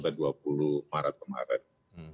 jadi kita harus berterima kasih